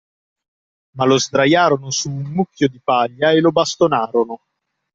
Ma lo sdraiarono su un mucchio di paglia e lo bastonarono